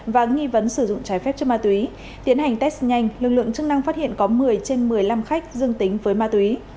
và nghi vấn sử dụng trái phép chất ma túy tiến hành test nhanh lực lượng chức năng phát hiện có một mươi trên một mươi năm khách dương tính với ma túy